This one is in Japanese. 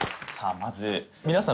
まず皆さん